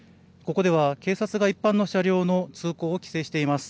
ここでは、警察が一般の車両の通行を規制しています。